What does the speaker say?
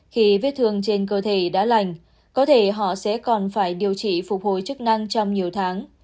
khi vết thương trên cơ thể đã lành có thể họ sẽ còn phải điều trị phục hồi chức năng trong nhiều tháng